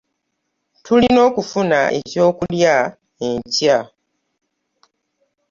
Tulina okufuna eky'okulya enkya.